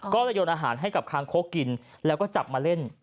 ก็เลยโยนอาหารให้กับคางคกกินแล้วก็จับมาเล่น